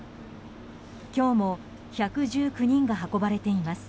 今日も１１９人が運ばれています。